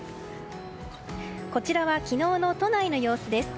こちらは昨日の都内の様子です。